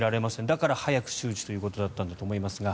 だから早く周知ということだったんだと思いますが。